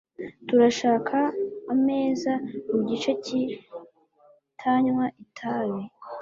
Turashaka ameza mugice kitanywa itabi.